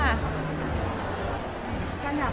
การหลับของนี้นะคะ